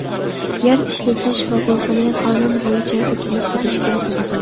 يەر ئىشلىتىش ھوقۇقىنى قانۇن بويىچە ئۆتۈنۈپ بېرىشكە بولىدۇ.